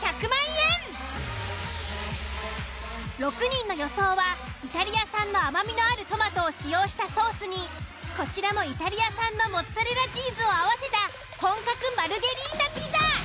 ６人の予想はイタリア産の甘みのあるトマトを使用したソースにこちらもイタリア産のモッツァレラチーズを合わせた本格マルゲリータピザ。